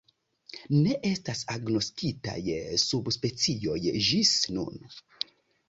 Ne estas agnoskitaj subspecioj ĝis nun.